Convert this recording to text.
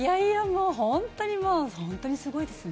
本当にすごいですね。